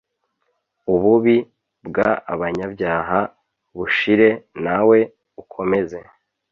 ububi bw abanyabyaha bushire nawe ukomeze